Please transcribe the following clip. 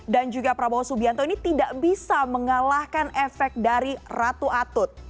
dan juga prabowo subianto ini tidak bisa mengalahkan efek dari ratu atut